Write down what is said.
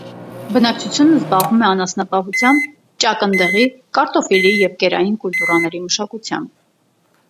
Բնակչությունն զբաղվում է անասնապահությամբ, ճակնդեղի, կարտոֆիլի և կերային կուլտուրաների մշակությամբ։